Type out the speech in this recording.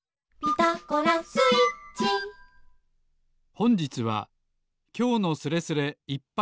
ほんじつは「きょうのスレスレ」いっぱいスペシャル。